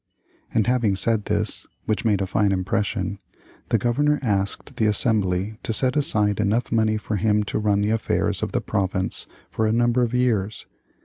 And having said this (which made a fine impression) the Governor asked the Assembly to set aside enough money for him to run the affairs of the province for a number of years.